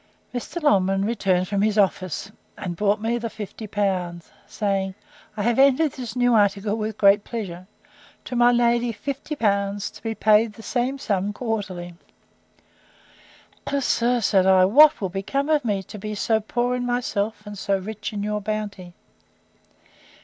Mr. Longman returned from his office, and brought me the fifty pounds, saying, I have entered this new article with great pleasure: 'To my Lady fifty pounds: to be paid the same sum quarterly.' O sir! said I, what will become of me, to be so poor in myself, and so rich in your bounty!